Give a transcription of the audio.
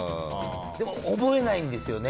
でも、覚えないんですよね。